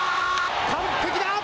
完璧だ。